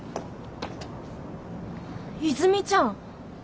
和泉ちゃん。